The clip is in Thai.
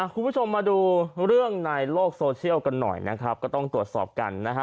คุณผู้ชมมาดูเรื่องในโลกโซเชียลกันหน่อยนะครับก็ต้องตรวจสอบกันนะฮะ